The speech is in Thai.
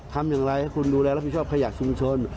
ทำอย่างไรให้คุณดูแลรับผิดชอบขยะชุมชน